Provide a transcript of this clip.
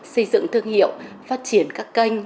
xây dựng thương hiệu phát triển các kênh